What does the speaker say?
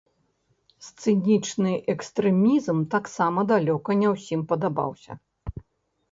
Сцэнічны экстрэмізм таксама далёка не ўсім падабаўся.